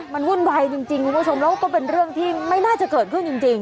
มันวุ่นวายจริงคุณผู้ชมแล้วก็เป็นเรื่องที่ไม่น่าจะเกิดขึ้นจริง